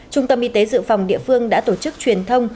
trung tâm y tế dự phòng địa phương đã tổ chức truyền thông